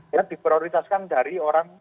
ya diprioritaskan dari orang